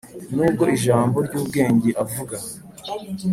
nubwo ijambo ryubwenge avuga